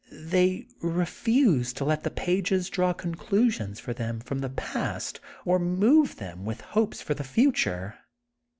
They refuse to let the pages draw conclusions for them from the past or move them with hopes for the future.